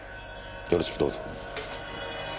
よろしくどうぞ。